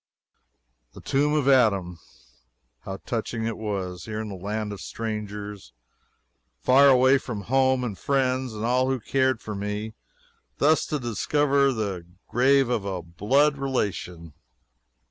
The tomb of Adam! How touching it was, here in a land of strangers, far away from home, and friends, and all who cared for me, thus to discover the grave of a blood relation.